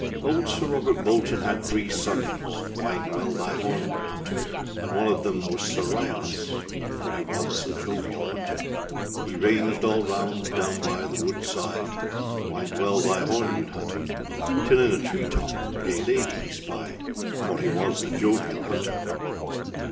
] OLD Sir Robert Bolton had three sons, Wind well thy horn, good hunter; And one of them was Sir Ryalas, For he was a jovial hunter. He ranged all round down by the wood side, Wind well thy horn, good hunter, Till in a tree top a gay lady he spied, For he was a jovial hunter.